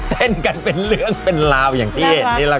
เต้นกันเป็นเรื่องเป็นราวอย่างที่เห็นนี่แหละค่ะ